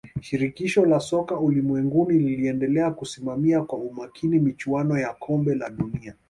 shirikisho la soka ulimwenguni liliendelea kusimamia kwa umakini michuano ya kombe la dunia